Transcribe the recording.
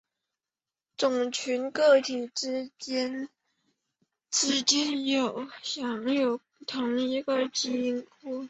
种群的个体之间一般享有同一个基因库。